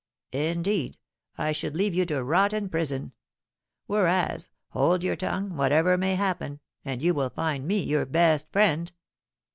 Indeed, I should leave you to rot in prison; whereas, hold your tongue, whatever may happen, and you will find me your best friend.'